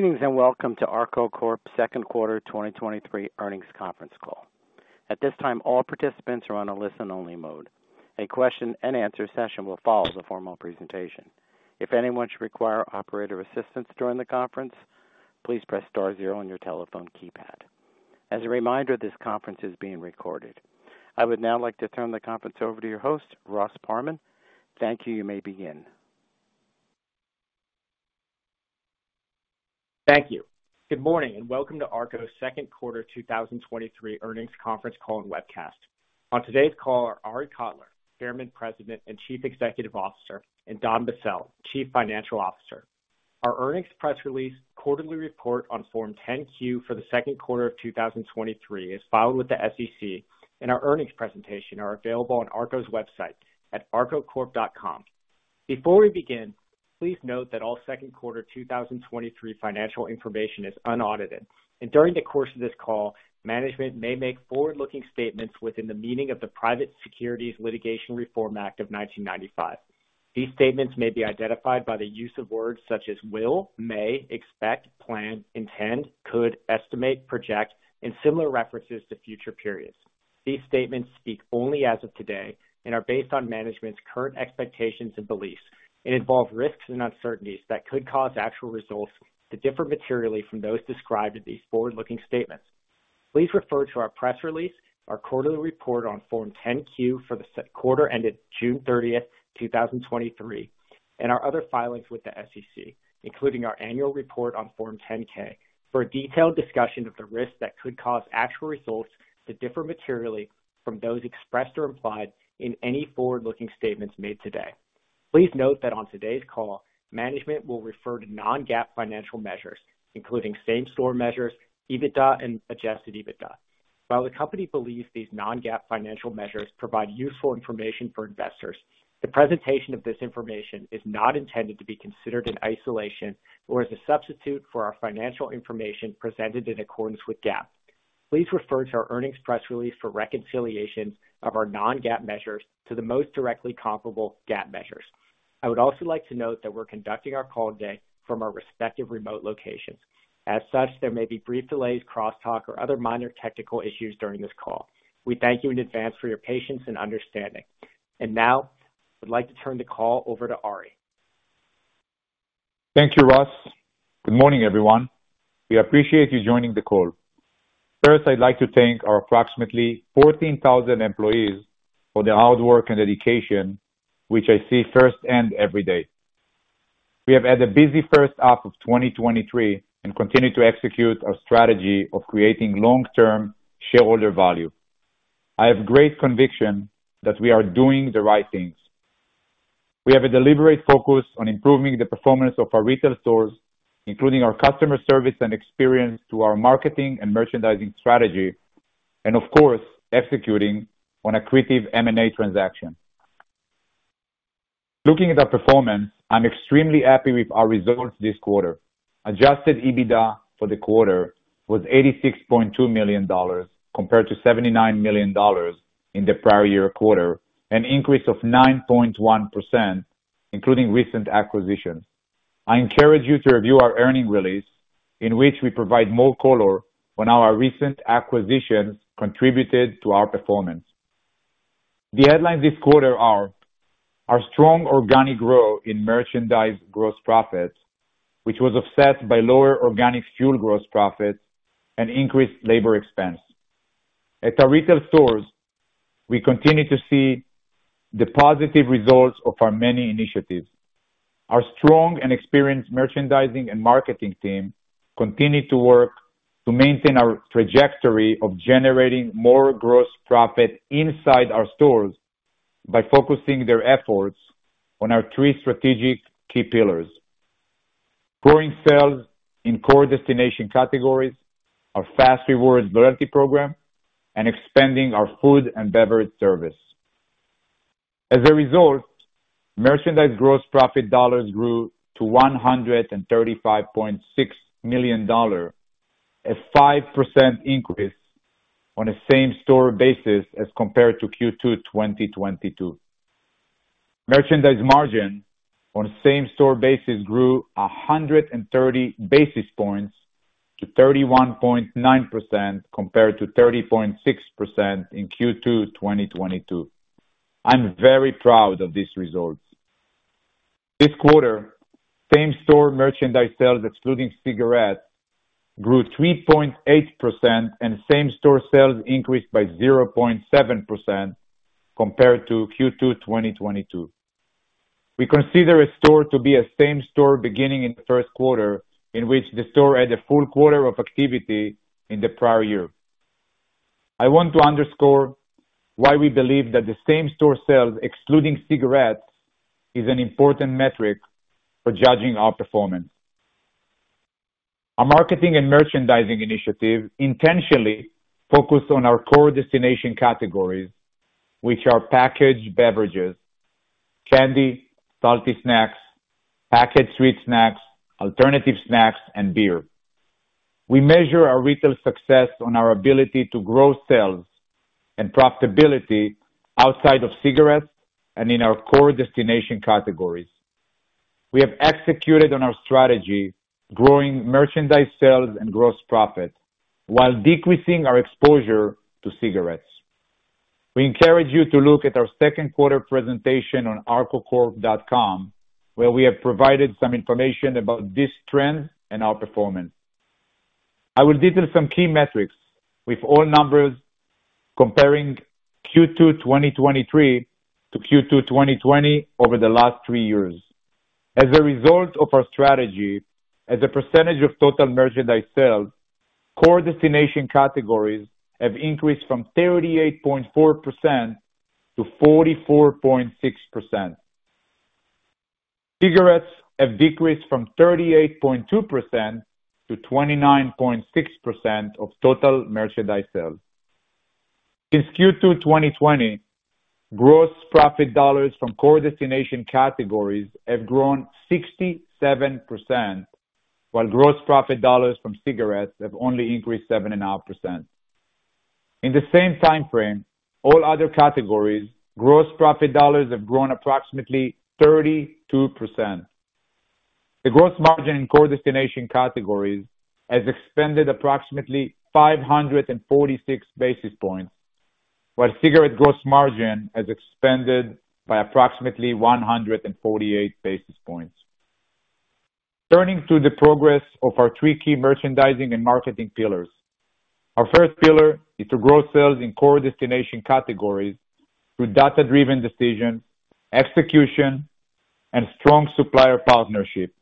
Greetings, welcome to ARKO Corp.'s second quarter 2023 earnings conference call. At this time, all participants are on a listen-only mode. A question and answer session will follow the formal presentation. If anyone should require operator assistance during the conference, please press star zero on your telephone keypad. As a reminder, this conference is being recorded. I would now like to turn the conference over to your host, Ross Parman. Thank you. You may begin. Thank you. Good morning, and welcome to ARKO's second quarter 2023 earnings conference call and webcast. On today's call are Arie Kotler, Chairman, President, and Chief Executive Officer, and Don Bassell, Chief Financial Officer. Our earnings press release, quarterly report on Form 10-Q for the second quarter of 2023 is filed with the SEC, and our earnings presentation are available on ARKO's website at arkocorp.com. Before we begin, please note that all second quarter 2023 financial information is unaudited, and during the course of this call, management may make forward-looking statements within the meaning of the Private Securities Litigation Reform Act of 1995. These statements may be identified by the use of words such as will, may, expect, plan, intend, could, estimate, project, and similar references to future periods. These statements speak only as of today and are based on management's current expectations and beliefs and involve risks and uncertainties that could cause actual results to differ materially from those described in these forward-looking statements. Please refer to our press release, our quarterly report on Form 10-Q for the quarter ended June 30, 2023, and our other filings with the SEC, including our annual report on Form 10-K, for a detailed discussion of the risks that could cause actual results to differ materially from those expressed or implied in any forward-looking statements made today. Please note that on today's call, management will refer to non-GAAP financial measures, including same-store measures, EBITDA and Adjusted EBITDA. While the company believes these non-GAAP financial measures provide useful information for investors, the presentation of this information is not intended to be considered in isolation or as a substitute for our financial information presented in accordance with GAAP. Please refer to our earnings press release for reconciliations of our non-GAAP measures to the most directly comparable GAAP measures. I would also like to note that we're conducting our call today from our respective remote locations. As such, there may be brief delays, crosstalk, or other minor technical issues during this call. We thank you in advance for your patience and understanding. Now, I'd like to turn the call over to Arie. Thank you, Ross. Good morning, everyone. We appreciate you joining the call. First, I'd like to thank our approximately 14,000 employees for their hard work and dedication, which I see firsthand every day. We have had a busy first half of 2023 and continue to execute our strategy of creating long-term shareholder value. I have great conviction that we are doing the right things. We have a deliberate focus on improving the performance of our retail stores, including our customer service and experience to our marketing and merchandising strategy, and of course, executing on accretive M&A transaction. Looking at our performance, I'm extremely happy with our results this quarter. Adjusted EBITDA for the quarter was $86.2 million, compared to $79 million in the prior year quarter, an increase of 9.1%, including recent acquisitions. I encourage you to review our earnings release in which we provide more color on how our recent acquisitions contributed to our performance. The headlines this quarter are: our strong organic growth in merchandise gross profits, which was offset by lower organic fuel gross profits and increased labor expense. At our retail stores, we continue to see the positive results of our many initiatives. Our strong and experienced merchandising and marketing team continue to work to maintain our trajectory of generating more gross profit inside our stores by focusing their efforts on our three strategic key pillars: growing sales in core destination categories, our fas REWARDS loyalty program, and expanding our food and beverage service. As a result, merchandise gross profit dollars grew to $135.6 million, a 5% increase on a same-store basis as compared to Q2, 2022. Merchandise margin on a same-store basis grew 130 basis points to 31.9% compared to 30.6% in Q2 2022. I'm very proud of these results. This quarter, same-store merchandise sales, excluding cigarettes, grew 3.8%, and same-store sales increased by 0.7% compared to Q2 2022. We consider a store to be a same-store beginning in the 1st quarter in which the store had a full quarter of activity in the prior year. I want to underscore why we believe that the same-store sales, excluding cigarettes, is an important metric for judging our performance. Our marketing and merchandising initiative intentionally focused on our core destination categories, which are packaged beverages, candy, salty snacks, packaged sweet snacks, alternative snacks, and beer. We measure our retail success on our ability to grow sales and profitability outside of cigarettes and in our core destination categories. We have executed on our strategy, growing merchandise sales and gross profit, while decreasing our exposure to cigarettes. We encourage you to look at our second quarter presentation on arkocorp.com, where we have provided some information about this trend and our performance. I will detail some key metrics, with all numbers comparing Q2 2023 to Q2 2020 over the last three years. As a result of our strategy, as a percentage of total merchandise sales, core destination categories have increased from 38.4%-44.6%. Cigarettes have decreased from 38.2%-29.6% of total merchandise sales. Since Q2 2020, gross profit dollars from core destination categories have grown 67%, while gross profit dollars from cigarettes have only increased 7.5%. In the same time frame, all other categories, gross profit dollars have grown approximately 32%. The gross margin in core destination categories has expanded approximately 546 basis points, while cigarette gross margin has expanded by approximately 148 basis points. Turning to the progress of our three key merchandising and marketing pillars. Our first pillar is to grow sales in core destination categories through data-driven decisions, execution, and strong supplier partnerships.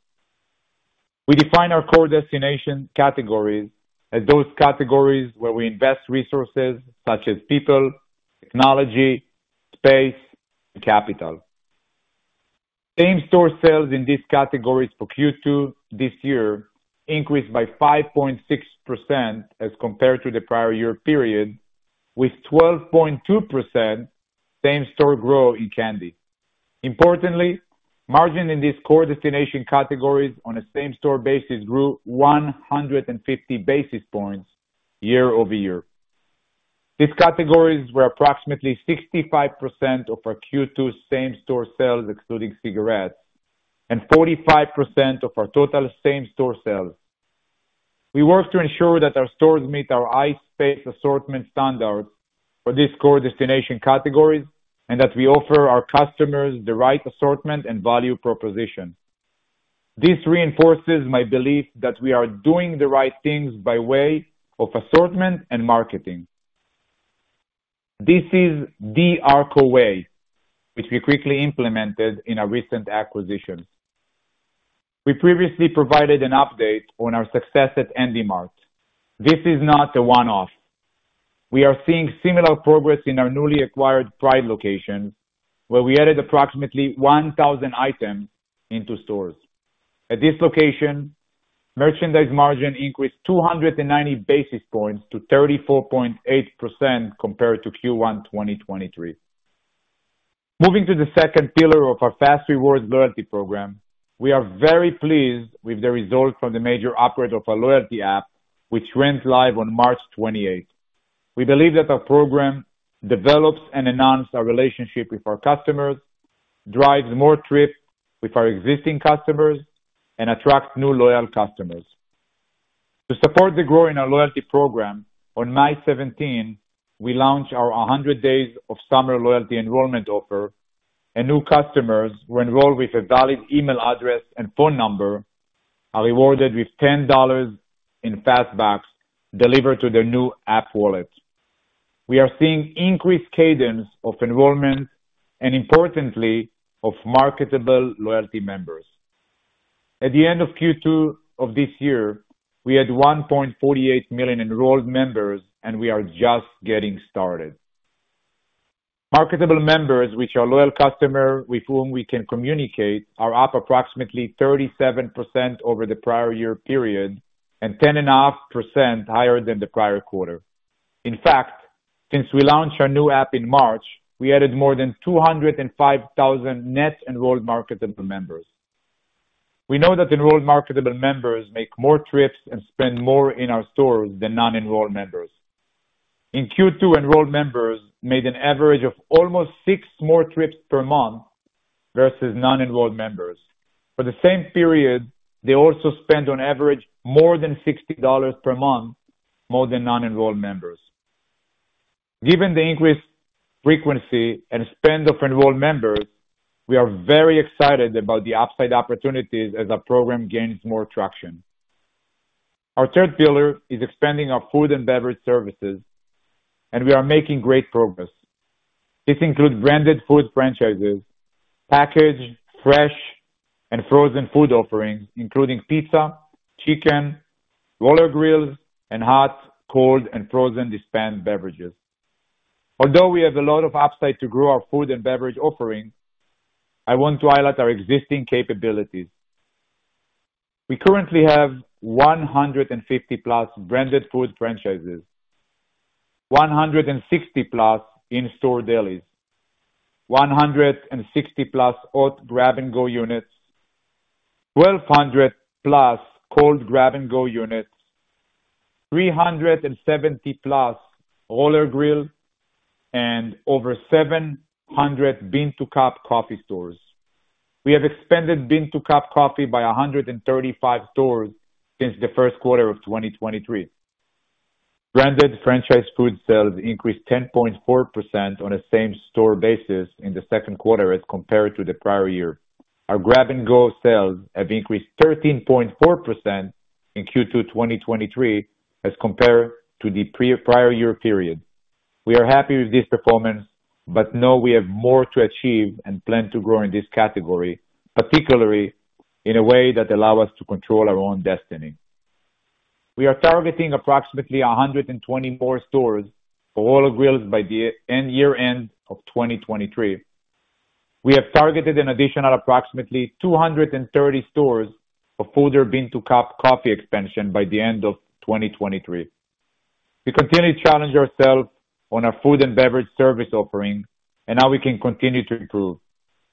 We define our core destination categories as those categories where we invest resources such as people, technology, space, and capital. Same-store sales in these categories for Q2 this year increased by 5.6% as compared to the prior year period, with 12.2% same-store growth in candy. Importantly, margin in these core destination categories on a same-store basis grew 150 basis points year-over-year. These categories were approximately 65% of our Q2 same-store sales, excluding cigarettes, and 45% of our total same-store sales. We work to ensure that our stores meet our high space assortment standards for these core destination categories, and that we offer our customers the right assortment and value proposition. This reinforces my belief that we are doing the right things by way of assortment and marketing. This is the ARKO way, which we quickly implemented in our recent acquisition. We previously provided an update on our success at Handy Mart. This is not a one-off. We are seeing similar progress in our newly acquired Pride location, where we added approximately 1,000 items into stores. At this location, merchandise margin increased 290 basis points to 34.8% compared to Q1 2023. Moving to the second pillar of our fas REWARDS loyalty program, we are very pleased with the results from the major upgrade of our loyalty app, which went live on March 28th. We believe that our program develops and enhances our relationship with our customers, drives more trips with our existing customers, and attracts new loyal customers. To support the growth in our loyalty program, on May 17, we launched our 100 days of summer loyalty enrollment offer. New customers who enroll with a valid email address and phone number are rewarded with $10 in fas BUCKS delivered to their new app wallet. We are seeing increased cadence of enrollment and importantly, of marketable loyalty members. At the end of Q2 of this year, we had 1.48 million enrolled members. We are just getting started. Marketable members, which are loyal customers with whom we can communicate, are up approximately 37% over the prior year period and 10.5% higher than the prior quarter. In fact, since we launched our new app in March, we added more than 205,000 net enrolled marketable members. We know that enrolled marketable members make more trips and spend more in our stores than non-enrolled members. In Q2, enrolled members made an average of almost six more trips per month versus non-enrolled members. For the same period, they also spent on average, more than $60 per month, more than non-enrolled members. Given the increased frequency and spend of enrolled members, we are very excited about the upside opportunities as our program gains more traction. Our third pillar is expanding our food and beverage services, we are making great progress. This includes branded food franchises, packaged, fresh, and frozen food offerings, including pizza, chicken, roller grills, and hot, cold, and frozen dispensed beverages. Although we have a lot of upside to grow our food and beverage offerings, I want to highlight our existing capabilities. We currently have 150+ branded food franchises... 160+ in-store delis, 160+ hot grab-and-go units, 1,200+ cold grab-and-go units, 370+ Roller Grill, and over 700 bean-to-cup coffee stores. We have expanded bean-to-cup coffee by 135 stores since the first quarter of 2023. Branded franchise food sales increased 10.4% on a same-store basis in the second quarter as compared to the prior year. Our grab-and-go sales have increased 13.4% in Q2 2023 as compared to the pre- prior year period. We are happy with this performance, but know we have more to achieve and plan to grow in this category, particularly in a way that allow us to control our own destiny. We are targeting approximately 124 stores for all grills by the end, year-end of 2023. We have targeted an additional approximately 230 stores for further bean-to-cup coffee expansion by the end of 2023. We continue to challenge ourselves on our food and beverage service offering and how we can continue to improve.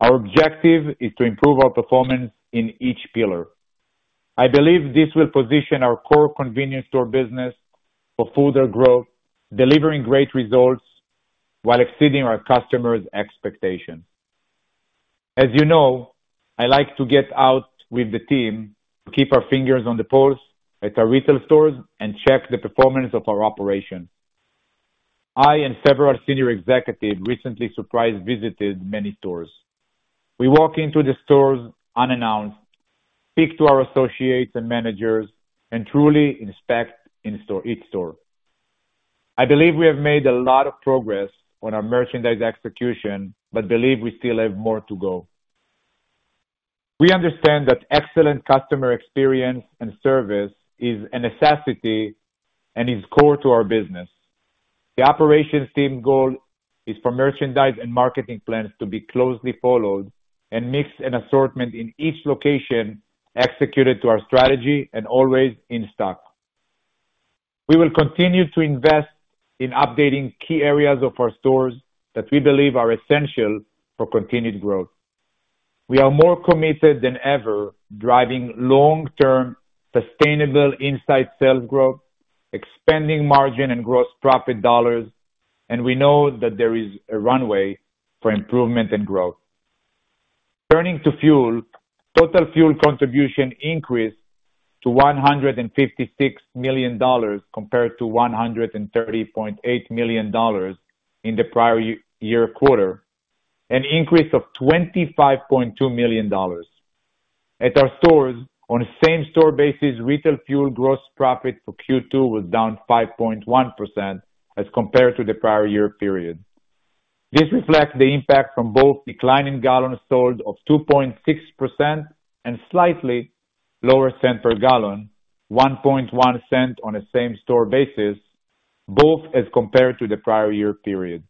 Our objective is to improve our performance in each pillar. I believe this will position our core convenience store business for further growth, delivering great results while exceeding our customers' expectations. As you know, I like to get out with the team to keep our fingers on the pulse at our retail stores and check the performance of our operation. I and several senior executive recently surprise visited many stores. We walk into the stores unannounced, speak to our associates and managers, and truly inspect each store. I believe we have made a lot of progress on our merchandise execution, but believe we still have more to go. We understand that excellent customer experience and service is a necessity and is core to our business. The operations team goal is for merchandise and marketing plans to be closely followed and mix an assortment in each location, executed to our strategy and always in stock. We will continue to invest in updating key areas of our stores that we believe are essential for continued growth. We are more committed than ever, driving long-term, sustainable inside sales growth, expanding margin and gross profit dollars. We know that there is a runway for improvement and growth. Turning to fuel, total fuel contribution increased to $156 million compared to $130.8 million in the prior year quarter, an increase of $25.2 million. At our stores, on a same-store basis, retail fuel gross profit for Q2 was down 5.1% as compared to the prior year period. This reflects the impact from both declining gallon sold of 2.6% and slightly lower cents per gallon, 1.1 cents on a same-store basis, both as compared to the prior year period.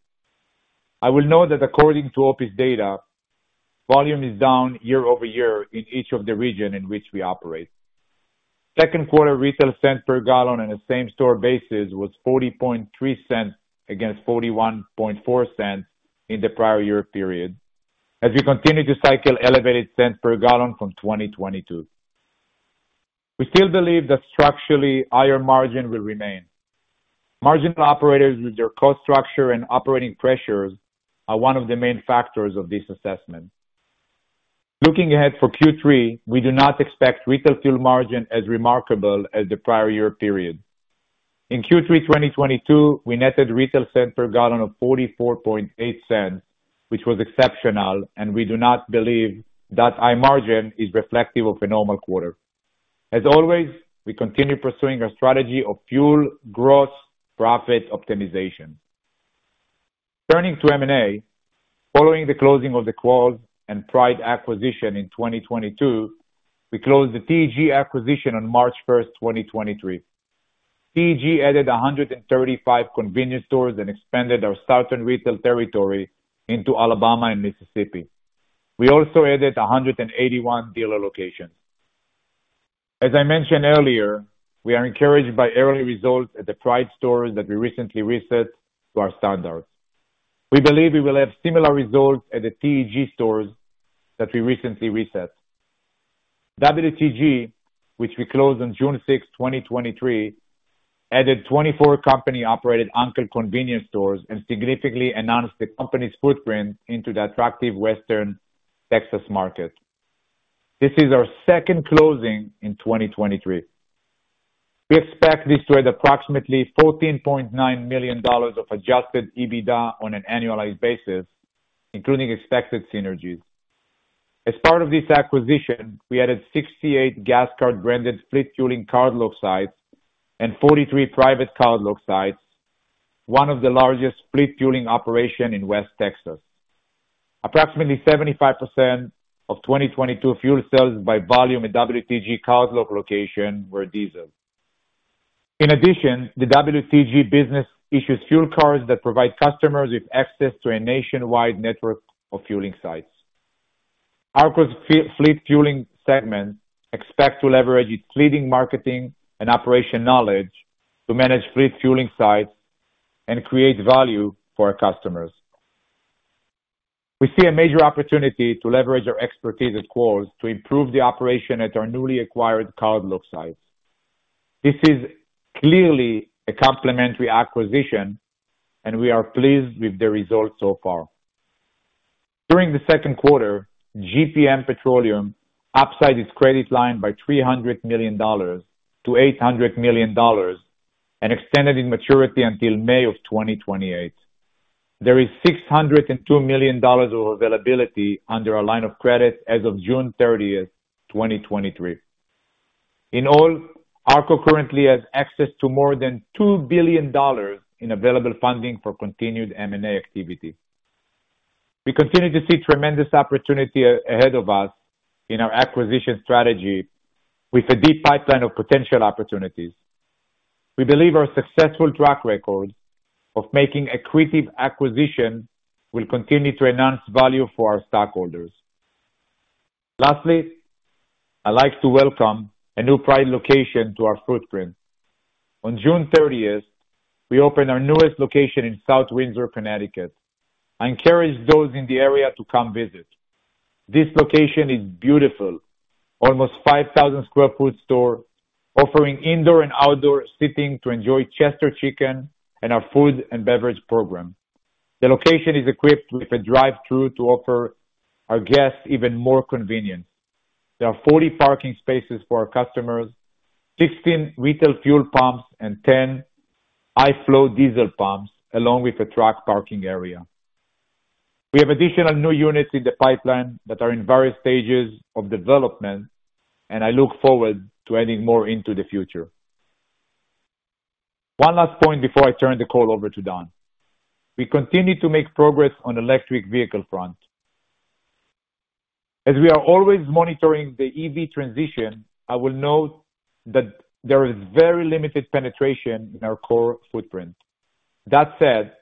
I will note that according to OPIS data, volume is down year-over-year in each of the region in which we operate. Second quarter retail cents per gallon on a same-store basis was $0.403, against $0.414 in the prior year period, as we continue to cycle elevated cents per gallon from 2022. We still believe that structurally, higher margin will remain. Margin operators, with their cost structure and operating pressures, are one of the main factors of this assessment. Looking ahead for Q3, we do not expect retail fuel margin as remarkable as the prior year period. In Q3 2022, we netted retail cents per gallon of $0.448, which was exceptional, and we do not believe that high margin is reflective of a normal quarter. As always, we continue pursuing a strategy of fuel gross profit optimization. Turning to M&A, following the closing of the Quarles and Pride acquisition in 2022, we closed the TEG acquisition on March 1, 2023. TEG added 135 convenience stores and expanded our southern retail territory into Alabama and Mississippi. We also added 181 dealer locations. As I mentioned earlier, we are encouraged by early results at the Pride stores that we recently reset to our standards. We believe we will have similar results at the TEG stores that we recently reset. WTG, which we closed on June 6, 2023, added 24 company-operated anchored convenience stores and significantly enhanced the company's footprint into the attractive Western Texas market. This is our second closing in 2023. We expect this to add approximately $14.9 million of Adjusted EBITDA on an annualized basis, including expected synergies. As part of this acquisition, we added 68 GASCard-branded split fueling cardlock sites and 43 private cardlock sites, one of the largest split fueling operation in West Texas. Approximately 75% of 2022 fuel sales by volume at WTG cardlock location were diesel. In addition, the WTG business issues fuel cards that provide customers with access to a nationwide network of fueling sites.... ARKO's fleet fueling segment expects to leverage its leading marketing and operation knowledge to manage fleet fueling sites and create value for our customers. We see a major opportunity to leverage our expertise at Quarles to improve the operation at our newly acquired cardlock sites. This is clearly a complementary acquisition, and we are pleased with the results so far. During the second quarter, GPM Petroleum upside its credit line by $300 million to $800 million, extended in maturity until May of 2028. There is $602 million of availability under our line of credit as of June 30th, 2023. In all, ARKO currently has access to more than $2 billion in available funding for continued M&A activity. We continue to see tremendous opportunity ahead of us in our acquisition strategy with a deep pipeline of potential opportunities. We believe our successful track record of making accretive acquisitions will continue to enhance value for our stockholders. Lastly, I'd like to welcome a new Pride location to our footprint. On June 30th, we opened our newest location in South Windsor, Connecticut, encourage those in the area to come visit. This location is beautiful, almost 5,000 sq ft store, offering indoor and outdoor seating to enjoy Chester's Chicken and our food and beverage program. The location is equipped with a drive-thru to offer our guests even more convenience. There are 40 parking spaces for our customers, 15 retail fuel pumps, and 10 high-flow diesel pumps, along with a truck parking area. We have additional new units in the pipeline that are in various stages of development, and I look forward to adding more into the future. One last point before I turn the call over to Don. We continue to make progress on electric vehicle front. As we are always monitoring the EV transition, I will note that there is very limited penetration in our core footprint. That said,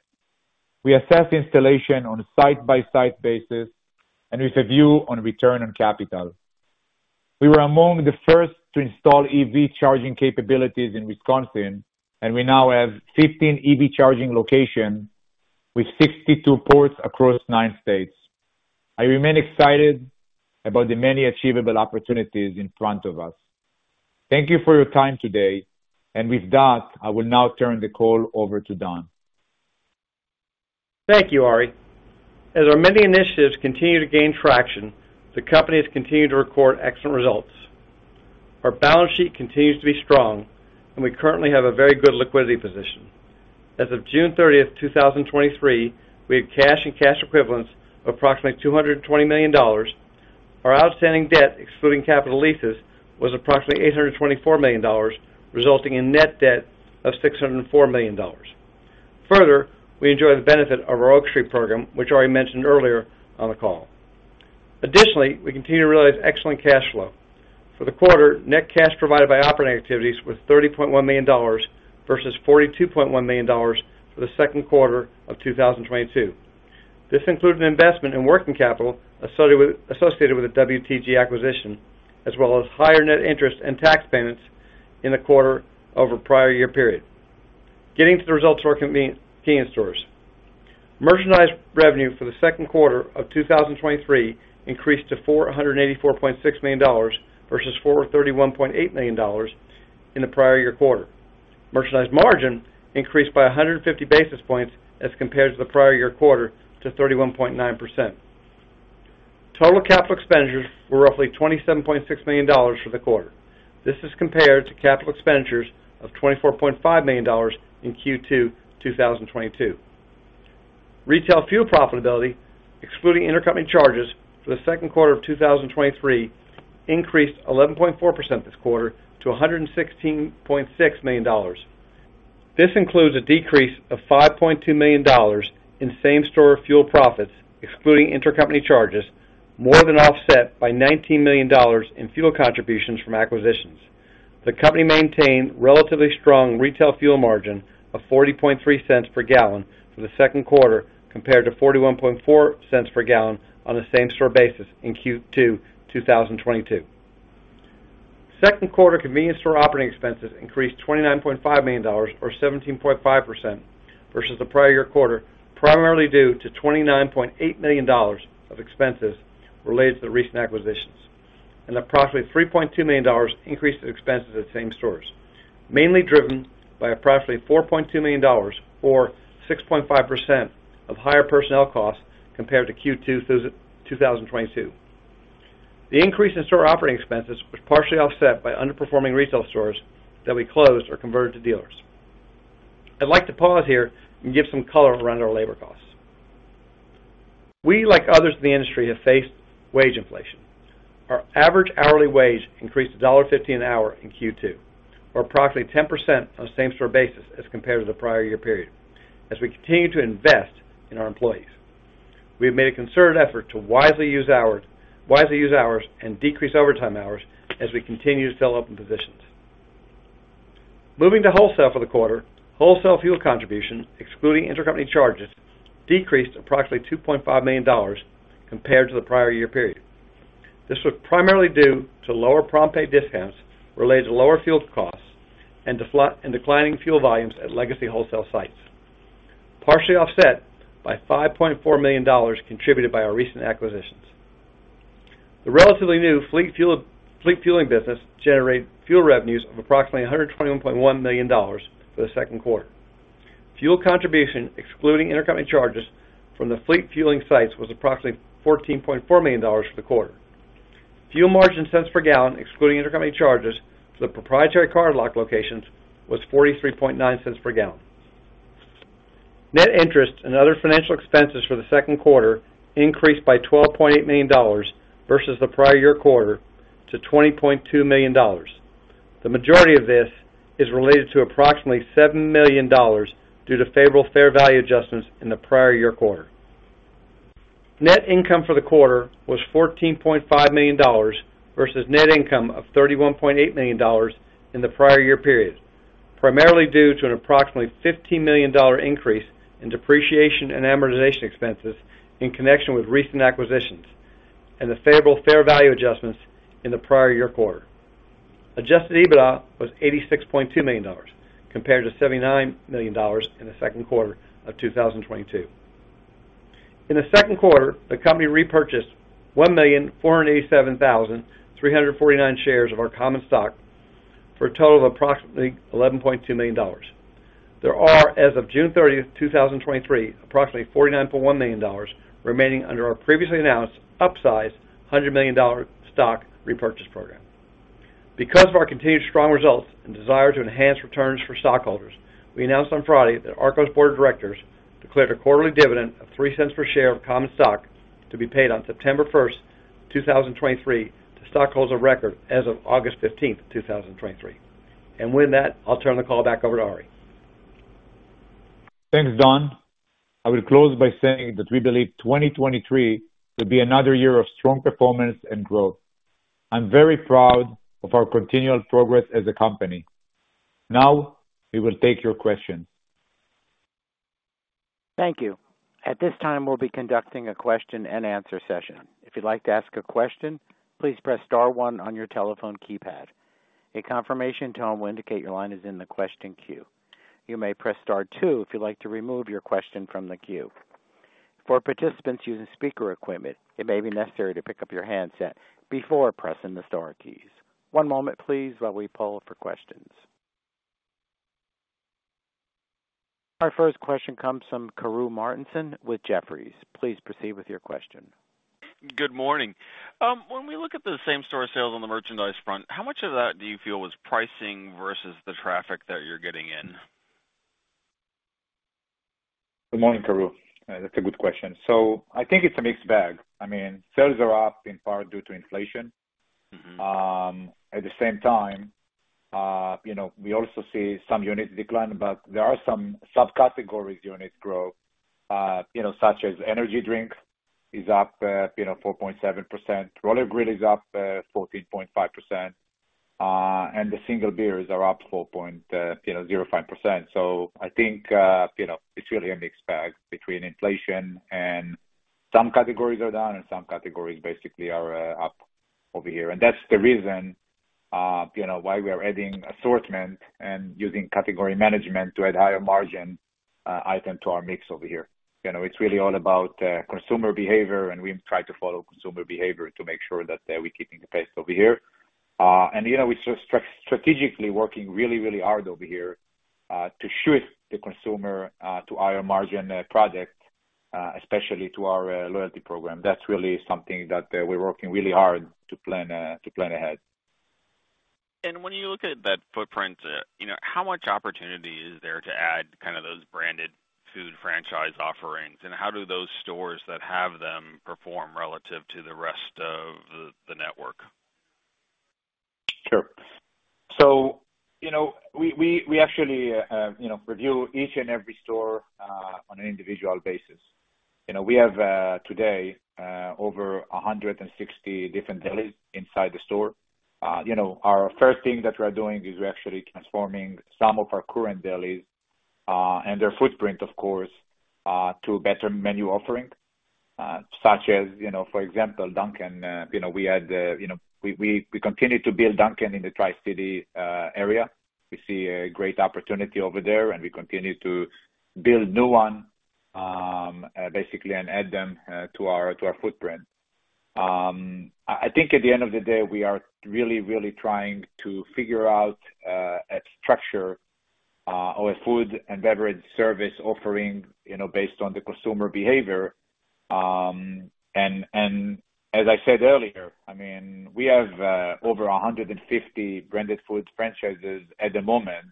we assess installation on a site-by-site basis and with a view on return on capital. We were among the first to install EV charging capabilities in Wisconsin, and we now have 15 EV charging locations with 62 ports across 9 states. I remain excited about the many achievable opportunities in front of us. Thank you for your time today, and with that, I will now turn the call over to Don. Thank you, Arie. As our many initiatives continue to gain traction, the company has continued to record excellent results. Our balance sheet continues to be strong, and we currently have a very good liquidity position. As of June 30, 2023, we have cash and cash equivalents of approximately $220 million. Our outstanding debt, excluding capital leases, was approximately $824 million, resulting in net debt of $604 million. Further, we enjoy the benefit of our Oak Street program, which Arie mentioned earlier on the call. Additionally, we continue to realize excellent cash flow. For the quarter, net cash provided by operating activities was $30.1 million versus $42.1 million for the second quarter of 2022. This included an investment in working capital associated with the WTG acquisition, as well as higher net interest and tax payments in the quarter over the prior year period. Getting to the results of our convenience stores. Merchandise revenue for the second quarter of 2023 increased to $484.6 million versus $431.8 million in the prior year quarter. Merchandise margin increased by 150 basis points as compared to the prior year quarter to 31.9%. Total capital expenditures were roughly $27.6 million for the quarter. This is compared to capital expenditures of $24.5 million in Q2 2022. Retail fuel profitability, excluding intercompany charges for the second quarter of 2023, increased 11.4% this quarter to $116.6 million. This includes a decrease of $5.2 million in same-store fuel profits, excluding intercompany charges, more than offset by $19 million in fuel contributions from acquisitions. The company maintained relatively strong retail fuel margin of 40.3 cents per gallon for the second quarter, compared to 41.4 cents per gallon on a same-store basis in Q2 2022. Second quarter convenience store operating expenses increased $29.5 million or 17.5% versus the prior year quarter, primarily due to $29.8 million of expenses related to the recent acquisitions, and approximately $3.2 million increase in expenses at the same stores, mainly driven by approximately $4.2 million or 6.5% of higher personnel costs compared to Q2 2022. The increase in store operating expenses was partially offset by underperforming retail stores that we closed or converted to dealers. I'd like to pause here and give some color around our labor costs. We, like others in the industry, have faced wage inflation. Our average hourly wage increased to $1.50 an hour in Q2, or approximately 10% on a same-store basis as compared to the prior year period, as we continue to invest in our employees. We have made a concerted effort to wisely use hours, wisely use hours, and decrease overtime hours as we continue to fill open positions. Moving to wholesale for the quarter, wholesale fuel contribution, excluding intercompany charges, decreased approximately $2.5 million compared to the prior year period. This was primarily due to lower prompt pay discounts related to lower fuel costs and declining fuel volumes at legacy wholesale sites, partially offset by $5.4 million contributed by our recent acquisitions. The relatively new fleet fuel, fleet fueling business generated fuel revenues of approximately $121.1 million for the second quarter. Fuel contribution, excluding intercompany charges from the fleet fueling sites, was approximately $14.4 million for the quarter. Fuel margin cents per gallon, excluding intercompany charges for the proprietary cardlock locations, was $0.439 per gallon. Net interest and other financial expenses for the second quarter increased by $12.8 million versus the prior year quarter to $20.2 million. The majority of this is related to approximately $7 million due to favorable fair value adjustments in the prior year quarter. Net income for the quarter was $14.5 million versus net income of $31.8 million in the prior year period, primarily due to an approximately $15 million increase in depreciation and amortization expenses in connection with recent acquisitions and the favorable fair value adjustments in the prior year quarter. Adjusted EBITDA was $86.2 million, compared to $79 million in the second quarter of 2022. In the second quarter, the company repurchased 1,487,349 shares of our common stock for a total of approximately $11.2 million. There are, as of June 30, 2023, approximately $49.1 million remaining under our previously announced upsized $100 million stock repurchase program. Because of our continued strong results and desire to enhance returns for stockholders, we announced on Friday that ARKO's board of directors declared a quarterly dividend of $0.03 per share of common stock to be paid on September 1, 2023, to stockholders of record as of August 15, 2023. With that, I'll turn the call back over to Arie. Thanks, Don. I will close by saying that we believe 2023 will be another year of strong performance and growth. I'm very proud of our continual progress as a company. We will take your questions. Thank you. At this time, we'll be conducting a question and answer session. If you'd like to ask a question, please press star one on your telephone keypad. A confirmation tone will indicate your line is in the question queue. You may press star two if you'd like to remove your question from the queue. For participants using speaker equipment, it may be necessary to pick up your handset before pressing the star keys. One moment please, while we poll for questions. Our first question comes from Karru Martinson with Jefferies. Please proceed with your question. Good morning. When we look at the same-store sales on the merchandise front, how much of that do you feel was pricing versus the traffic that you're getting in? Good morning, Karru. That's a good question. I think it's a mixed bag. I mean, sales are up in part due to inflation. Mm-hmm. At the same time, we also see some units decline, but there are some subcategories units grow, such as energy drink is up 4.7%. Roller Grill is up 14.5%, and the single beers are up 4.05%. I think it's really a mixed bag between inflation and some categories are down and some categories basically are up over here. That's the reason why we are adding assortment and using category management to add higher margin item to our mix over here. It's really all about consumer behavior, and we try to follow consumer behavior to make sure that we're keeping apace over here. You know, we're strategically working really, really hard over here, to shift the consumer, to higher margin, products, especially to our, loyalty program. That's really something that, we're working really hard to plan, to plan ahead. When you look at that footprint, you know, how much opportunity is there to add kind of those branded food franchise offerings, and how do those stores that have them perform relative to the rest of the, the network? Sure. You know, we actually, you know, review each and every store on an individual basis. You know, we have today over 160 different delis inside the store. You know, our first thing that we're doing is we're actually transforming some of our current delis and their footprint, of course, to better menu offerings, such as, you know, for example, Dunkin'. You know, we had, you know, we, we, we continue to build Dunkin' in the Tri-City area. We see a great opportunity over there, and we continue to build new one, basically and add them to our, to our footprint. I, I think at the end of the day, we are really, really trying to figure out a structure or a food and beverage service offering, you know, based on the consumer behavior. As I said earlier, I mean, we have over 150 branded food franchises at the moment,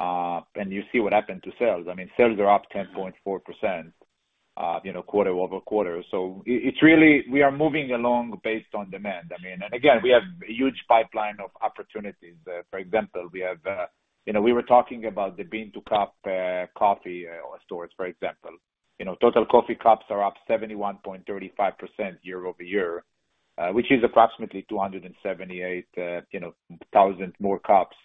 and you see what happened to sales. I mean, sales are up 10.4%, you know, quarter-over-quarter. It's really, we are moving along based on demand. I mean and again, we have a huge pipeline of opportunities. For example, we have, you know, we were talking about the bean-to-cup coffee stores, for example. You know, total coffee cups are up 71.35% year-over-year. which is approximately 278,000, you know, more cups.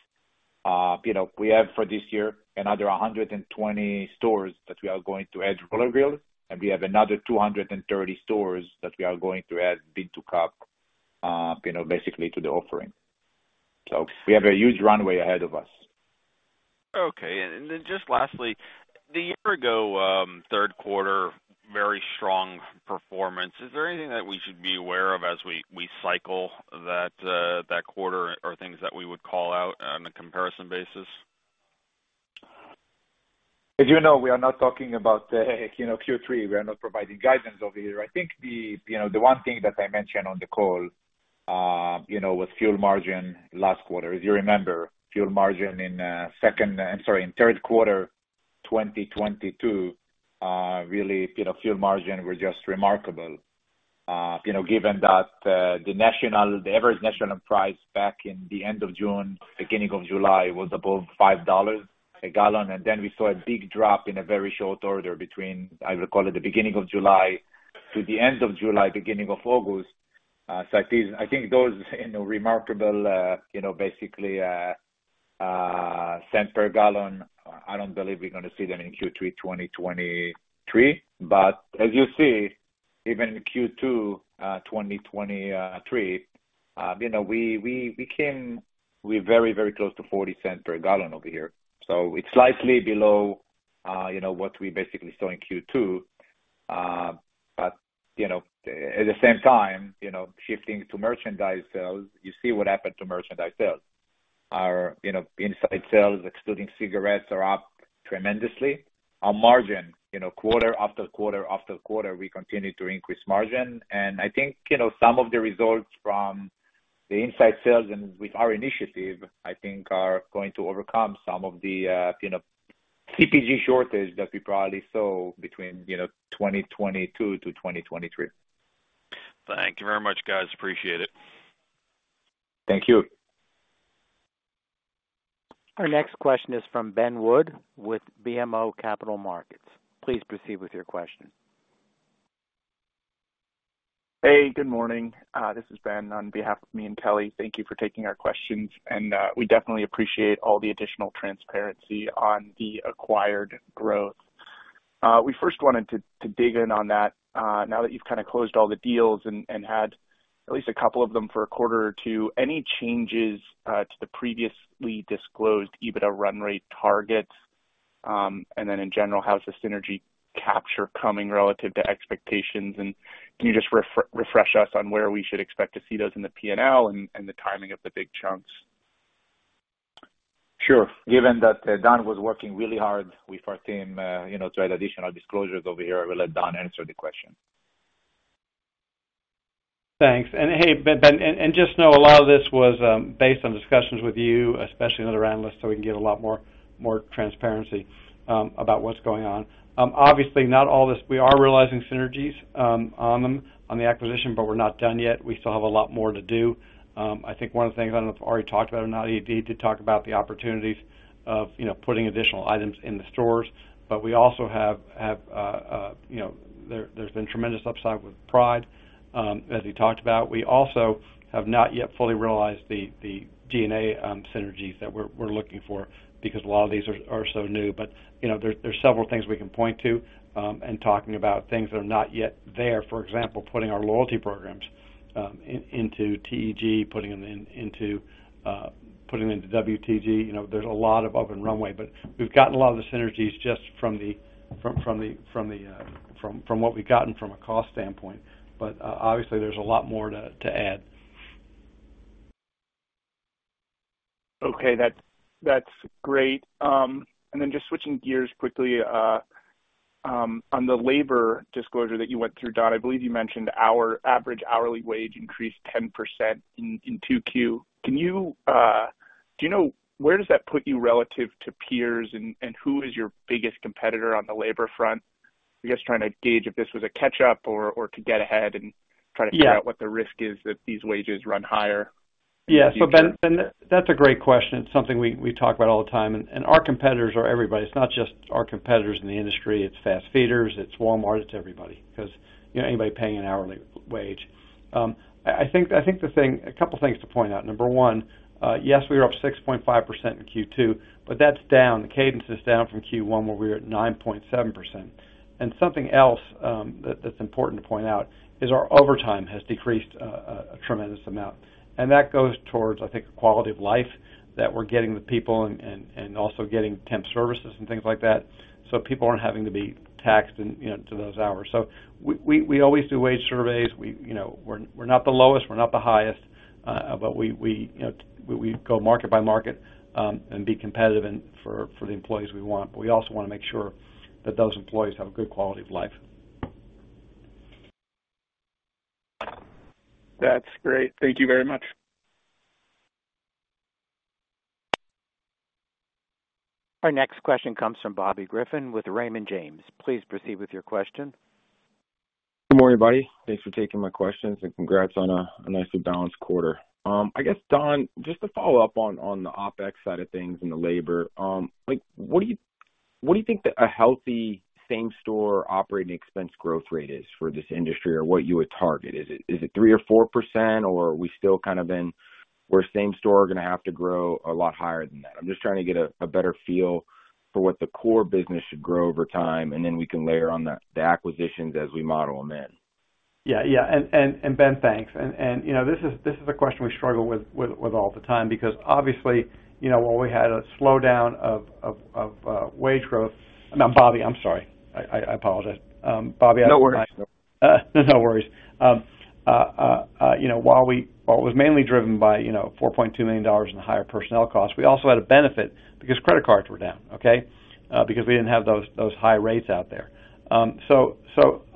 You know, we have for this year, another 120 stores that we are going to add Roller Grill, and we have another 230 stores that we are going to add bean-to-cup, you know, basically to the offering. We have a huge runway ahead of us. Okay. Then just lastly, the year ago, third quarter, very strong performance. Is there anything that we should be aware of as we, we cycle that, that quarter or things that we would call out on a comparison basis? As you know, we are not talking about, you know, Q3. We are not providing guidance over here. I think the, you know, the one thing that I mentioned on the call, you know, was fuel margin last quarter. If you remember, fuel margin in second, I'm sorry, in third quarter 2022, really, you know, fuel margin were just remarkable. You know, given that, the national- the average national price back in the end of June, beginning of July, was above $5 a gallon, and then we saw a big drop in a very short order between, I recall, at the beginning of July to the end of July, beginning of August. I think, I think those, you know, remarkable, you know, basically, cents per gallon, I don't believe we're gonna see them in Q3 2023. As you see, even in Q2 2023, you know, we're very, very close to 40 cents per gallon over here. It's slightly below, you know, what we basically saw in Q2. At the same time, you know, shifting to merchandise sales, you see what happened to merchandise sales. Our, you know, inside sales, excluding cigarettes, are up tremendously. Our margin, you know, quarter after quarter after quarter, we continue to increase margin. I think, you know, some of the results from the inside sales and with our initiative, I think are going to overcome some of the, you know, CPG shortage that we probably saw between, you know, 2022-2023. Thank you very much, guys. Appreciate it. Thank you. Our next question is from Ben Wood with BMO Capital Markets. Please proceed with your question. Hey, good morning. This is Ben. On behalf of me and Kelly, thank you for taking our questions, and we definitely appreciate all the additional transparency on the acquired growth. We first wanted to dig in on that, now that you've kind of closed all the deals and had at least 2 of them for a quarter or 2. Any changes to the previously disclosed EBITDA run rate targets? Then in general, how's the synergy capture coming relative to expectations? Can you just refresh us on where we should expect to see those in the P&L and the timing of the big chunks? Sure. Given that Don was working really hard with our team, you know, to add additional disclosures over here, I will let Don answer the question. Thanks. Hey, Ben, and just know a lot of this was based on discussions with you, especially other analysts, so we can get a lot more, more transparency about what's going on. Obviously, not all this- we are realizing synergies on them, on the acquisition, but we're not done yet. We still have a lot more to do. I think one of the things, I don't know if Arie talked about it or not, he did to talk about the opportunities of, you know, putting additional items in the stores, but we also have, you know, there's been tremendous upside with Pride, as he talked about. We also have not yet fully realized the G&A synergies that we're looking for because a lot of these are so new. You know, there, there are several things we can point to, and talking about things that are not yet there. For example, putting our loyalty programs into TEG, putting them into, putting them into WTG. You know, there's a lot of open runway, but we've gotten a lot of the synergies just from the, from, from the, from the, from, from what we've gotten from a cost standpoint. Obviously there's a lot more to, to add. Okay, that's, that's great. Just switching gears quickly, on the labor disclosure that you went through, Don, I believe you mentioned our average hourly wage increased 10% in, in 2Q. Can you, do you know, where does that put you relative to peers, and, and who is your biggest competitor on the labor front? I guess trying to gauge if this was a catch-up or, or to get ahead and- Yeah. try to figure out what the risk is that these wages run higher. Yeah. Ben, Ben, that's a great question. It's something we, we talk about all the time, and our competitors are everybody. It's not just our competitors in the industry, it's fast feeders, it's Walmart, it's everybody, because, you know, anybody paying an hourly wage. I think a couple of things to point out. Number one, yes, we are up 6.5% in Q2, but that's down. The cadence is down from Q1, where we were at 9.7%. Something else that's important to point out is our overtime has decreased a tremendous amount. That goes towards, I think, quality of life that we're getting with people and also getting temp services and things like that. People aren't having to be taxed in, you know, to those hours. We, we, we always do wage surveys. We, you know, we're, we're not the lowest, we're not the highest, but we, we, you know, we, we go market by market, and be competitive and for, for the employees we want. We also want to make sure that those employees have a good quality of life. That's great. Thank you very much. Our next question comes from Bobby Griffin with Raymond James. Please proceed with your question. Good morning, everybody. Thanks for taking my questions, and congrats on a nicely balanced quarter. I guess, Don, just to follow up on, on the OpEx side of things and the labor, like, what do you. What do you think that a healthy same-store operating expense growth rate is for this industry, or what you would target? Is it 3% or 4%, or are we still kind of in where same-store are going to have to grow a lot higher than that? I'm just trying to get a better feel for what the core business should grow over time, and then we can layer on the acquisitions as we model them in. Yeah. Yeah. Ben, thanks. You know, this is, this is a question we struggle with, with, with all the time, because obviously, you know, while we had a slowdown of, of, of wage growth. No, Bobby, I'm sorry. I, I, I apologize. Bobby. No worries. No worries. you know, while it was mainly driven by, you know, $4.2 million in the higher personnel costs, we also had a benefit because credit cards were down, okay? Because we didn't have those, those high rates out there.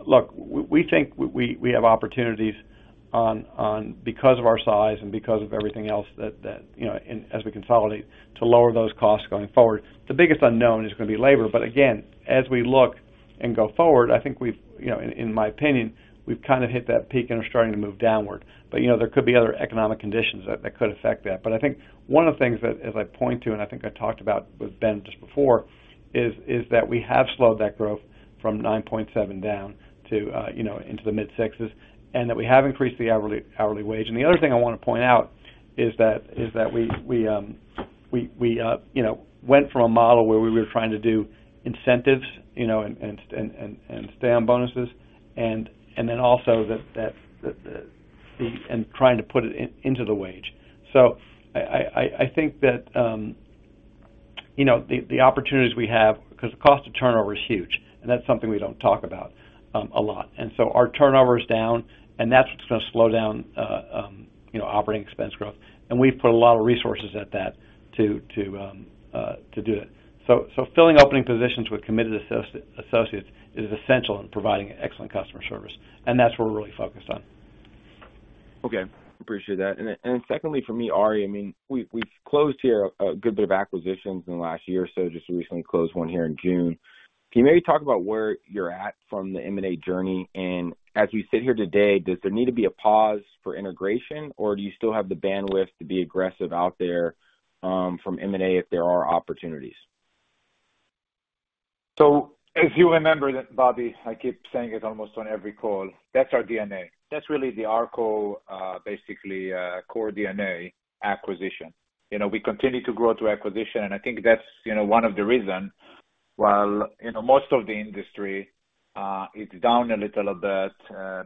Look, we, we think we, we, we have opportunities on, on because of our size and because of everything else that, that, you know, and as we consolidate, to lower those costs going forward. The biggest unknown is going to be labor. Again, as we look and go forward, I think we've, you know, in, in my opinion, we've kind of hit that peak and are starting to move downward. You know, there could be other economic conditions that, that could affect that. I think one of the things that as I point to, and I think I talked about with Ben just before, is that we have slowed that growth from 9.7 down to, you know, into the mid-6s, and that we have increased the hourly wage. The other thing I want to point out is that we, we, you know, went from a model where we were trying to do incentives, you know, and stay on bonuses, and then also trying to put it in, into the wage. I think that, you know, the opportunities we have, because the cost of turnover is huge, and that's something we don't talk about, a lot. So our turnover is down, and that's what's going to slow down, you know, operating expense growth. We've put a lot of resources at that to, to, to do it. So filling opening positions with committed associates is essential in providing excellent customer service, and that's what we're really focused on. Okay, appreciate that. Secondly, for me, Arie, I mean, we've closed here a good bit of acquisitions in the last year or so, just recently closed one here in June. Can you maybe talk about where you're at from the M&A journey? As we sit here today, does there need to be a pause for integration, or do you still have the bandwidth to be aggressive out there from M&A, if there are opportunities? If you remember that, Bobby, I keep saying it almost on every call, that's our DNA. That's really the ARKO, basically, core DNA acquisition. You know, we continue to grow through acquisition, and I think that's, you know, one of the reason, while, you know, most of the industry is down a little bit,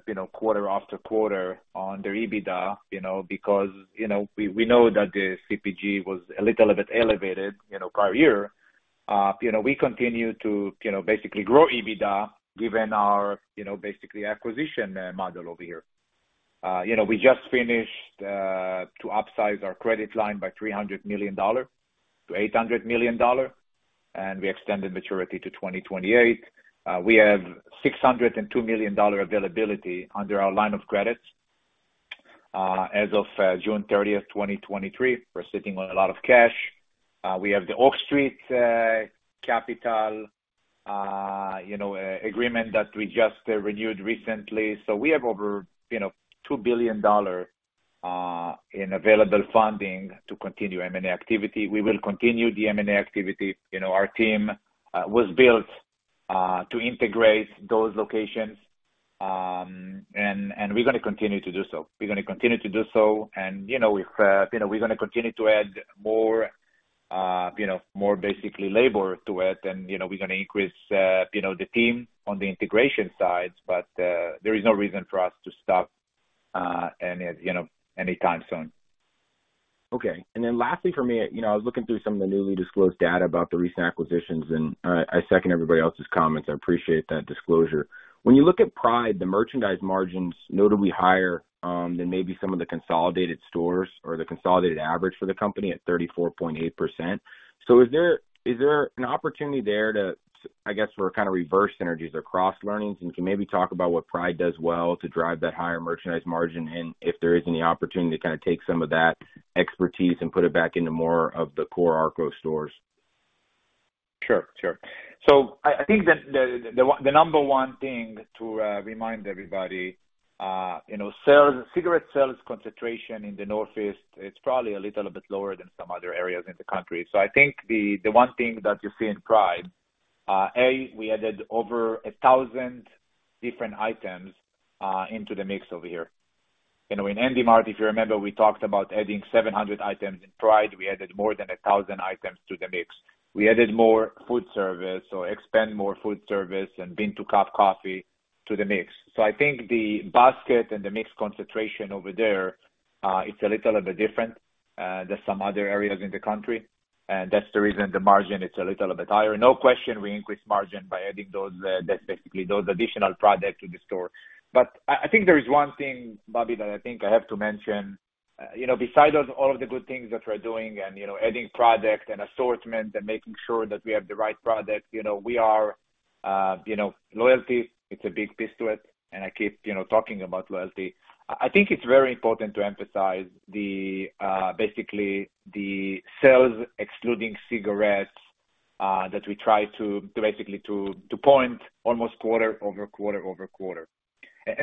you know, quarter after quarter on their EBITDA, you know, because, you know, we, we know that the CPG was a little bit elevated, you know, prior year. You know, we continue to, you know, basically grow EBITDA, given our, you know, basically acquisition model over here. You know, we just finished to upsize our credit line by $300 million to $800 million, and we extended maturity to 2028. We have $602 million availability under our line of credits. As of June 30, 2023, we're sitting on a lot of cash. We have the Oak Street, capital, you know, agreement that we just renewed recently. We have over, you know, $2 billion in available funding to continue M&A activity. We will continue the M&A activity. You know, our team was built to integrate those locations, and we're gonna continue to do so. We're gonna continue to do so, and, you know, we've, you know, we're gonna continue to add more, you know, more basically labor to it. You know, we're gonna increase, you know, the team on the integration sides, but, there is no reason for us to stop any, you know, anytime soon. Okay. Lastly for me, you know, I was looking through some of the newly disclosed data about the recent acquisitions, and I, I second everybody else's comments. I appreciate that disclosure. When you look at Pride, the merchandise margin's notably higher than maybe some of the consolidated stores or the consolidated average for the company at 34.8%. Is there, is there an opportunity there to, I guess, for kind of reverse synergies or cross-learnings? You can maybe talk about what Pride does well to drive that higher merchandise margin, and if there is any opportunity to kind of take some of that expertise and put it back into more of the core ARKO stores. Sure. Sure. I, I think that the, the, the number 1 thing to remind everybody, you know, cigarette sales concentration in the Northeast, it's probably a little bit lower than some other areas in the country. I think the, the 1 thing that you see in Pride, A, we added over 1,000 different items into the mix over here. You know, in Handy Mart, if you remember, we talked about adding 700 items. In Pride, we added more than 1,000 items to the mix. We added more food service, so expand more food service and bean-to-cup coffee to the mix. I think the basket and the mix concentration over there, it's a little bit different than some other areas in the country, and that's the reason the margin is a little bit higher. No question, we increased margin by adding those, that's basically those additional products to the store. I think there is one thing, Bobby, that I think I have to mention. You know, besides all of the good things that we're doing and, you know, adding products and assortment and making sure that we have the right products, you know, we are, you know, loyalty, it's a big piece to it, and I keep, you know, talking about loyalty. I think it's very important to emphasize the, basically the sales excluding cigarettes, that we try to basically to point almost quarter-over-quarter-over-quarter.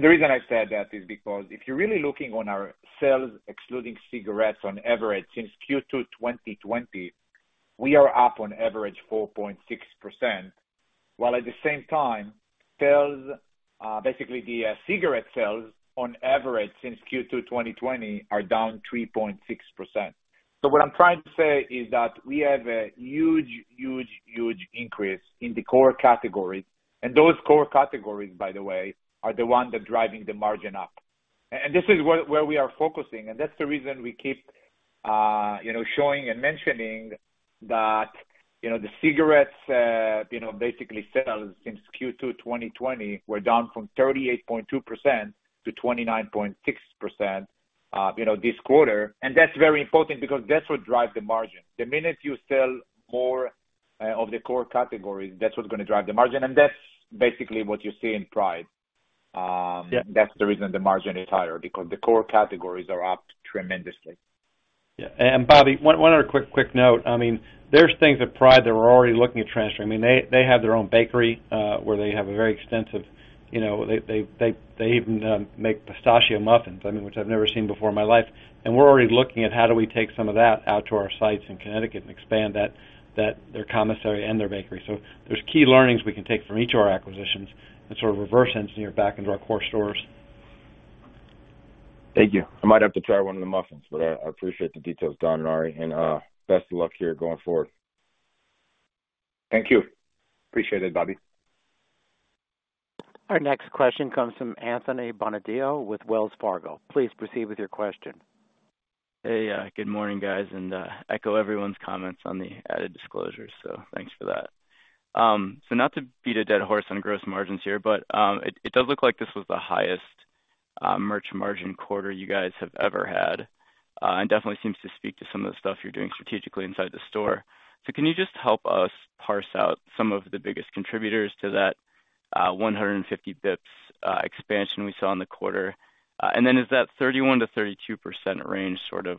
The reason I said that is because if you're really looking on our sales, excluding cigarettes, on average, since Q2 2020, we are up on average 4.6%, while at the same time, sales, basically the cigarette sales on average since Q2 2020 are down 3.6%. What I'm trying to say is that we have a huge, huge, huge increase in the core categories, and those core categories, by the way, are the ones that are driving the margin up. This is where, where we are focusing, and that's the reason we keep, you know, showing and mentioning that, you know, the cigarettes, you know, basically sales since Q2 2020 were down from 38.2%-29.6%, you know, this quarter. That's very important because that's what drives the margin. The minute you sell more of the core categories, that's what's going to drive the margin, and that's basically what you see in Pride. Yeah. That's the reason the margin is higher, because the core categories are up tremendously. Yeah. Bobby, one, one other quick, quick note. I mean, there's things at Pride that we're already looking at transferring. I mean, they have their own bakery, where they have a very extensive, you know, they even make pistachio muffins, I mean, which I've never seen before in my life. We're already looking at how do we take some of that out to our sites in Connecticut and expand that, that, their commissary and their bakery. There's key learnings we can take from each of our acquisitions and sort of reverse engineer back into our core stores. Thank you. I might have to try one of the muffins, but I, I appreciate the details, Don and Arie, and best of luck to you going forward. Thank you. Appreciate it, Bobby. Our next question comes from Anthony Bonadio with Wells Fargo. Please proceed with your question. Hey, good morning, guys, and echo everyone's comments on the added disclosures, so thanks for that. Not to beat a dead horse on gross margins here, but it, it does look like this was the highest merch margin quarter you guys have ever had, and definitely seems to speak to some of the stuff you're doing strategically inside the store. Can you just help us parse out some of the biggest contributors to that 150 bps expansion we saw in the quarter? Is that 31%-32% range sort of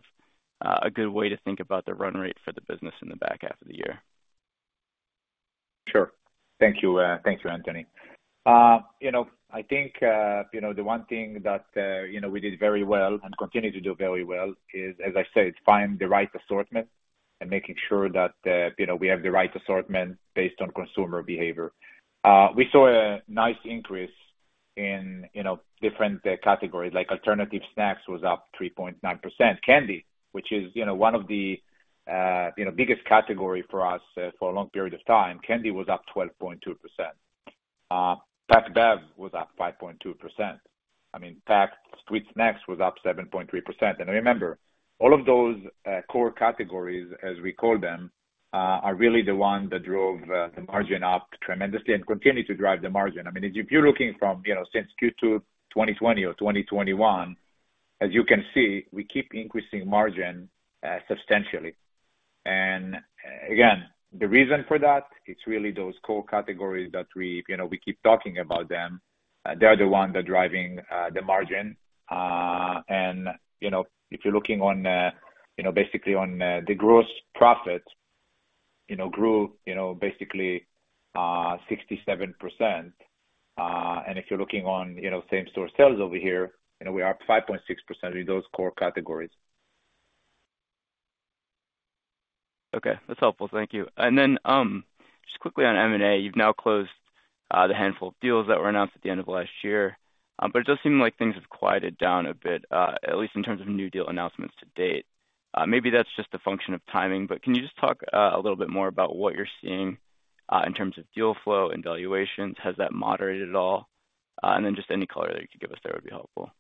a good way to think about the run rate for the business in the back half of the year? Sure. Thank you, thank you, Anthony. You know, I think, you know, the one thing that, you know, we did very well and continue to do very well is, as I said, find the right assortment and making sure that, you know, we have the right assortment based on consumer behavior. We saw a nice increase in, you know, different categories, like alternative snacks was up 3.9%. Candy, which is, you know, one of the, you know, biggest category for us for a long period of time, candy was up 12.2%. Packed bev was up 5.2%. I mean, packed sweet snacks was up 7.3%. Remember, all of those core categories, as we call them, are really the ones that drove the margin up tremendously and continue to drive the margin. I mean, if you're looking from, you know, since Q2 2020 or 2021, as you can see, we keep increasing margin substantially. Again, the reason for that, it's really those core categories that we, you know, we keep talking about them. They are the ones that are driving the margin. You know, if you're looking on, you know, basically on the gross profit, you know, grew, you know, basically 67%. If you're looking on, you know, same-store sales over here, you know, we are 5.6% in those core categories. Okay, that's helpful. Thank you. Just quickly on M&A, you've now closed the handful of deals that were announced at the end of last year. It does seem like things have quieted down a bit, at least in terms of new deal announcements to date. Maybe that's just a function of timing, can you just talk a little bit more about what you're seeing in terms of deal flow and valuations? Has that moderated at all? Just any color that you could give us there would be helpful.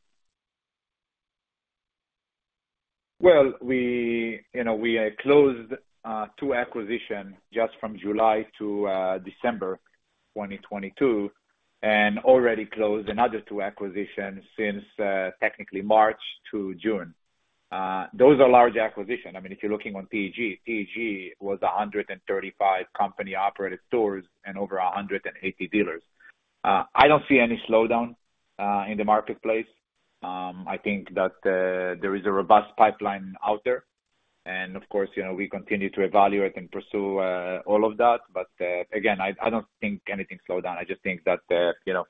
Well, we, you know, we closed two acquisitions just from July to December 2022, and already closed another two acquisitions since technically March to June. Those are large acquisitions. I mean, if you're looking on TEG, TEG was 135 company-operated stores and over 180 dealers. I don't see any slowdown in the marketplace. I think that there is a robust pipeline out there, and of course, you know, we continue to evaluate and pursue all of that. Again, I, I don't think anything slowed down. I just think that, you know,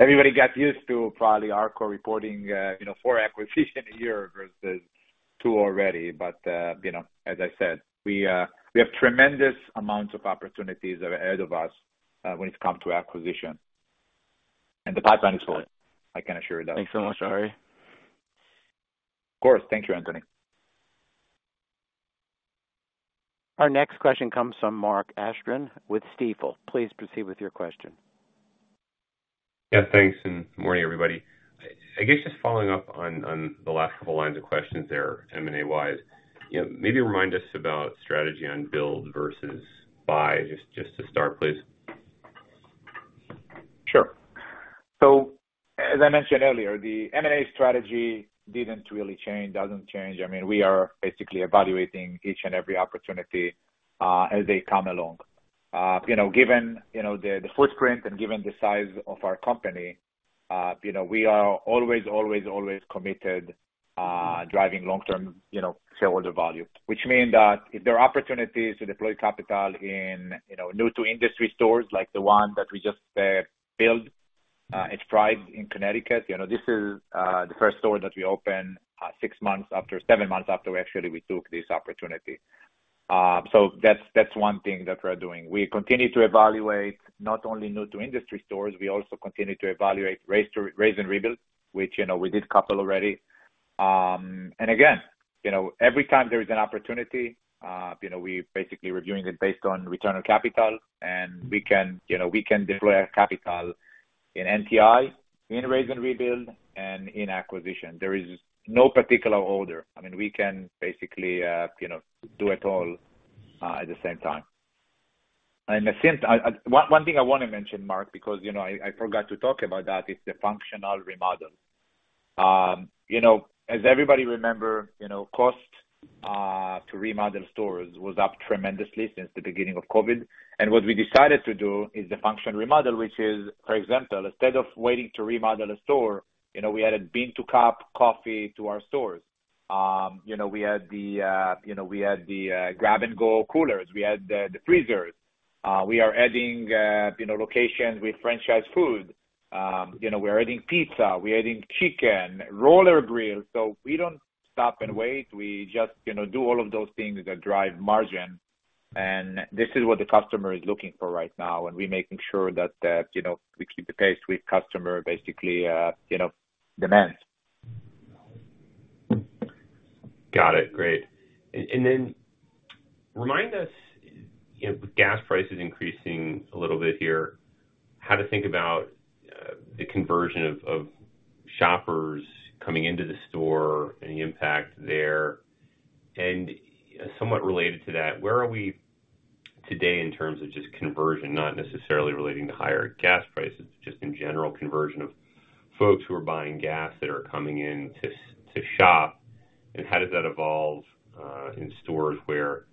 everybody got used to probably our core reporting, you know, 4 acquisitions in a year versus 2 already. You know, as I said, we, we have tremendous amounts of opportunities ahead of us, when it comes to acquisition. The pipeline is full, I can assure you that. Thanks so much, Arie. Of course. Thank you, Anthony. Our next question comes from Mark Astrachan with Stifel. Please proceed with your question. Yeah, thanks, and morning, everybody. I guess just following up on, on the last couple lines of questions there, M&A-wise, you know, maybe remind us about strategy on build versus buy, just, just to start, please? Sure. As I mentioned earlier, the M&A strategy didn't really change, doesn't change. I mean, we are basically evaluating each and every opportunity, as they come along. You know, given, you know, the, the footprint and given the size of our company, you know, we are always, always, always committed, driving long-term, you know, shareholder value. Which mean that if there are opportunities to deploy capital in, you know, new-to-industry stores, like the one that we just built. It's Pride in Connecticut. You know, this is the first store that we opened six months after, seven months after actually we took this opportunity. That's, that's one thing that we're doing. We continue to evaluate not only new-to-industry stores, we also continue to evaluate raze and rebuild, which, you know, we did two already. Again, you know, every time there is an opportunity, you know, we basically reviewing it based on return on capital. We can, you know, we can deploy our capital in NTI, in raze and rebuild, and in acquisition. There is no particular order. I mean, we can basically, you know, do it all at the same time. The fifth... I, I, one, one thing I wanna mention, Mark, because, you know, I, I forgot to talk about that, is the functional remodel. You know, as everybody remember, you know, cost to remodel stores was up tremendously since the beginning of COVID. What we decided to do is the functional remodel, which is, for example, instead of waiting to remodel a store, you know, we added bean-to-cup coffee to our stores. You know, we had the, you know, we had the grab-and-go coolers. We had the, the freezers. We are adding, you know, locations with franchise food. You know, we're adding pizza, we're adding chicken, Roller Grill. We don't stop and wait. We just, you know, do all of those things that drive margin. This is what the customer is looking for right now, and we're making sure that, that, you know, we keep the pace with customer, basically, you know, demands. Got it. Great. Then remind us, you know, with gas prices increasing a little bit here, how to think about the conversion of, of shoppers coming into the store, any impact there? Somewhat related to that, where are we today in terms of just conversion, not necessarily relating to higher gas prices, but just in general conversion of folks who are buying gas that are coming in to shop, and how does that evolve in stores where,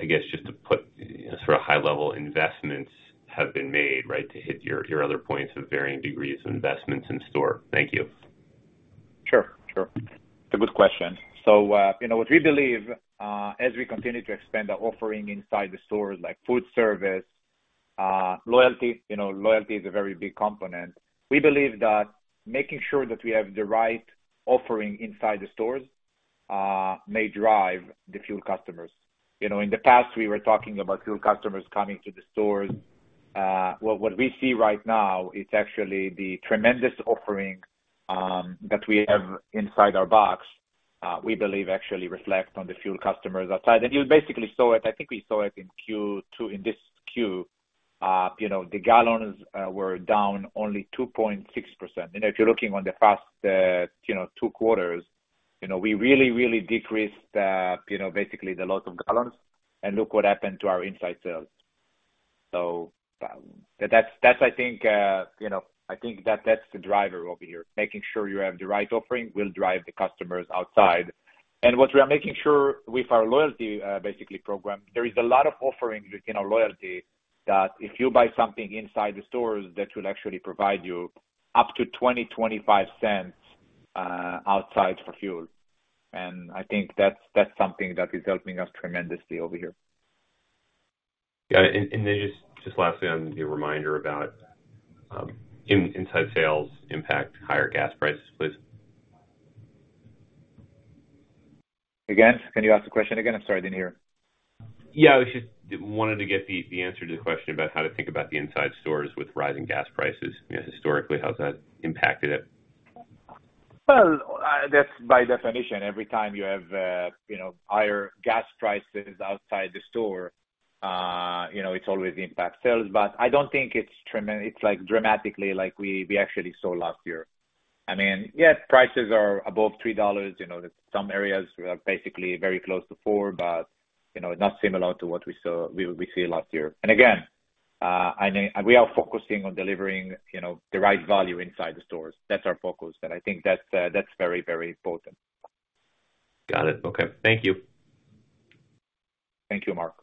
I guess just to put, sort of, high-level investments have been made, right? To hit your, your other points of varying degrees of investments in store. Thank you. Sure, sure. It's a good question. You know, what we believe, as we continue to expand our offering inside the stores, like food service, loyalty, you know, loyalty is a very big component. We believe that making sure that we have the right offering inside the stores, may drive the fuel customers. You know, in the past, we were talking about fuel customers coming to the stores. What, what we see right now is actually the tremendous offering that we have inside our box, we believe actually reflects on the fuel customers outside. You basically saw it. I think we saw it in Q2, in this Q. You know, the gallons were down only 2.6%. If you're looking on the past, two quarters, we really, really decreased, basically the load of gallons and look what happened to our inside sales. That's, that's I think, I think that that's the driver over here. Making sure you have the right offering will drive the customers outside. What we are making sure with our loyalty, basically program, there is a lot of offerings within our loyalty, that if you buy something inside the stores, that will actually provide you up to $0.20-$0.25 outside for fuel. I think that's, that's something that is helping us tremendously over here. Got it. Then just, just lastly, on a reminder about inside sales impact, higher gas prices, please. Again? Can you ask the question again? I'm sorry, I didn't hear. Yeah, I was just. Wanted to get the answer to the question about how to think about the inside stores with rising gas prices. You know, historically, how's that impacted it? That's by definition, every time you have, you know, higher gas prices outside the store, you know, it's always impact sales, but I don't think it's dramatically, like we, we actually saw last year. I mean, yes, prices are above $3. You know, some areas are basically very close to $4, but you know, not similar to what we saw last year. Again, and we are focusing on delivering, you know, the right value inside the stores. That's our focus, and I think that's very, very important. Got it. Okay. Thank you. Thank you, Mark.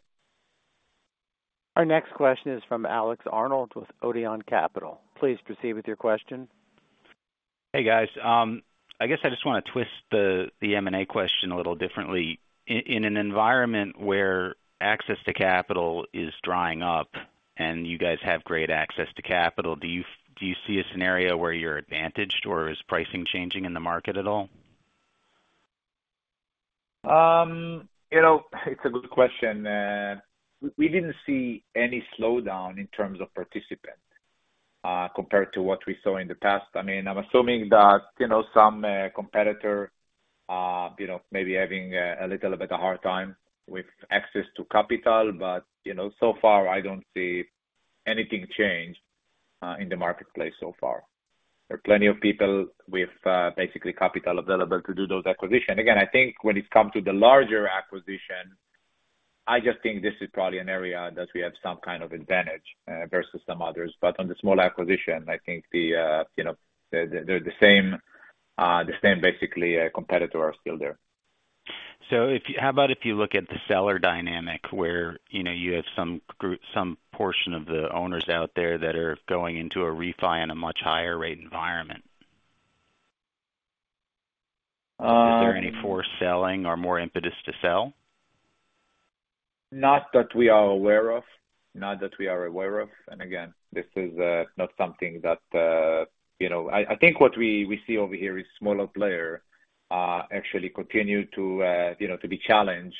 Our next question is from Alex Arnold with Odeon Capital. Please proceed with your question. Hey, guys. I guess I just want to twist the, the M&A question a little differently. In an environment where access to capital is drying up and you guys have great access to capital, do you, do you see a scenario where you're advantaged, or is pricing changing in the market at all? You know, it's a good question. We, we didn't see any slowdown in terms of participants, compared to what we saw in the past. I mean, I'm assuming that, you know, some competitor, you know, maybe having a little bit of hard time with access to capital, but, you know, so far, I don't see anything change in the marketplace so far. There are plenty of people with, basically, capital available to do those acquisition. Again, I think when it comes to the larger acquisition, I just think this is probably an area that we have some kind of advantage versus some others. On the small acquisition, I think the, you know, the, the, the same, the same basically, competitor are still there. How about if you look at the seller dynamic, where, you know, you have some group, some portion of the owners out there that are going into a refi in a much higher rate environment? Um- Is there any forced selling or more impetus to sell? Not that we are aware of. Not that we are aware of. Again, this is not something that, you know. I, I think what we, we see over here is smaller player actually continue to, you know, to be challenged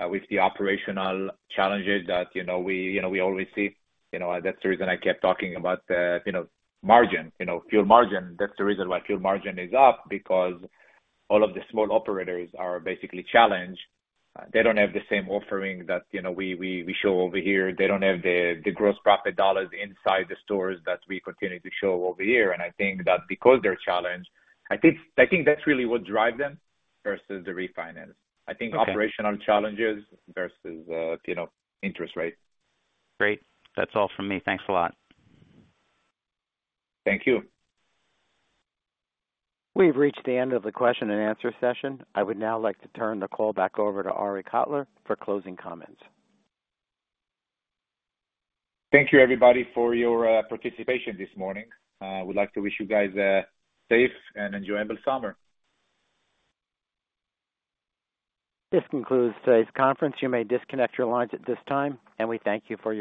with the operational challenges that, you know, we, you know, we always see. You know, that's the reason I kept talking about the, you know, margin, you know, fuel margin. That's the reason why fuel margin is up, because all of the small operators are basically challenged. They don't have the same offering that, you know, we, we, we show over here. They don't have the gross profit dollars inside the stores that we continue to show over here. I think that because they're challenged, I think, I think that's really what drive them versus the refinance. Okay. I think operational challenges versus, you know, interest rate. Great. That's all from me. Thanks a lot. Thank you. We've reached the end of the question and answer session. I would now like to turn the call back over to Arie Kotler for closing comments. Thank you, everybody, for your participation this morning. I would like to wish you guys a safe and enjoyable summer. This concludes today's conference. You may disconnect your lines at this time, and we thank you for your participation.